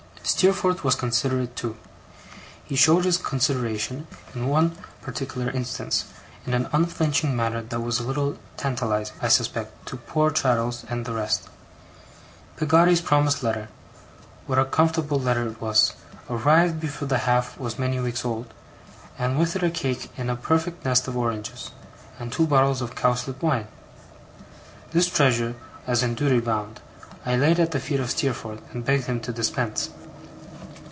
Steerforth was considerate, too; and showed his consideration, in one particular instance, in an unflinching manner that was a little tantalizing, I suspect, to poor Traddles and the rest. Peggotty's promised letter what a comfortable letter it was! arrived before 'the half' was many weeks old; and with it a cake in a perfect nest of oranges, and two bottles of cowslip wine. This treasure, as in duty bound, I laid at the feet of Steerforth, and begged him to dispense.